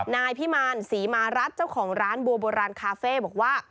นายพิมารศรีมารัฐเจ้าของร้านบัวโบราณคาเฟ่บอกว่า